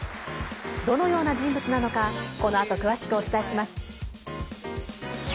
どのような人物なのかこのあと、詳しくお伝えします。